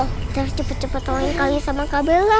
kita harus cepet cepet tolongin kali sama kak bella